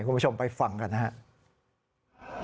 คุณผู้ชมไปฟังกันนะครับ